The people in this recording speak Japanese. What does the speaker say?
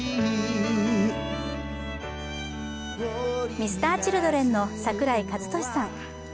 Ｍｒ．Ｃｈｉｌｄｒｅｎの櫻井和寿さん